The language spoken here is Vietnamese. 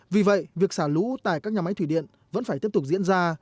vì vậy việc xả lũ tại các nhà máy thủy điện vẫn phải tiếp tục diễn ra